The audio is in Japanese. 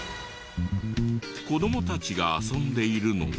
子供たちが遊んでいるのは。